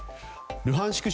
ルハンシク